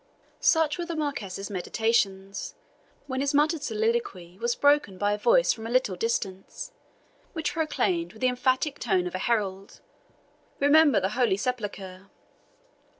Such were the Marquis's meditations, when his muttered soliloquy was broken by a voice from a little distance, which proclaimed with the emphatic tone of a herald, "Remember the Holy Sepulchre!"